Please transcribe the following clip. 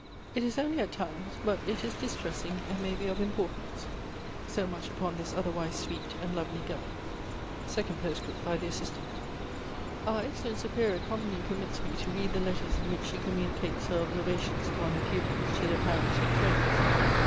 It is only at times, but it is distressing, and may be of importance. So much upon this otherwise sweet and lovely girl." SECOND POSTSCKIPT, BY THE ASSISTANT. " Our excellent superior commonly permits me to read the letters in which she communicates her observations upon her pupils to their parents and friends.